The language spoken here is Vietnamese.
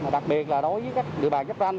đặc biệt là đối với các địa bàn chấp tranh